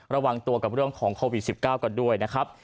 ระวังตัวกับเรื่องของโควิด๑๙กันด้วยนะครับ